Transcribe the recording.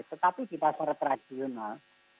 tetapi di pasar tradisional